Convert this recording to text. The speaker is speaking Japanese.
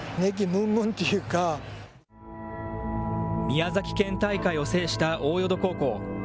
宮崎県大会を制した大淀高校。